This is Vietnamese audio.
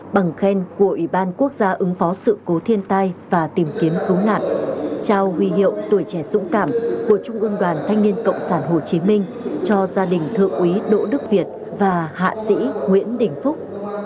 bằng khen của ủy ban quốc gia ứng phó sự cố thiên tai và tìm kiếm cứu nạn trao huy hiệu tuổi trẻ dũng cảm của trung ương đoàn thanh niên cộng sản hồ chí minh cho gia đình thượng úy đỗ đức việt và hạ sĩ nguyễn đình phúc